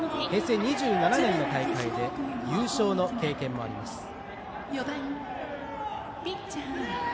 平成２７年の大会で優勝の経験もあります。